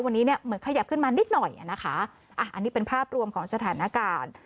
วันนี้เหมือนขยับขึ้นมานิดหน่อยอันนี้เป็นภาพรวมของสถานการณ์